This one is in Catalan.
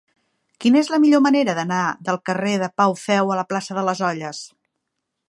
Quina és la millor manera d'anar del carrer de Pau Feu a la plaça de les Olles?